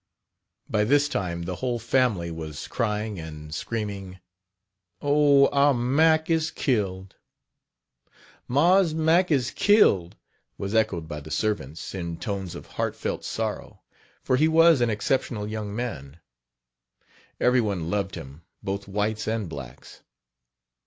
By this time the whole family was crying and screaming: "Oh! our Mack is killed." "Mars, Mack is killed," was echoed by the servants, in tones of heart felt sorrow, for he was an exceptional young man. Every one loved him both whites and blacks.